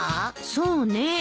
そうねえ。